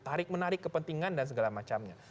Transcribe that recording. tarik menarik kepentingan dan segala macamnya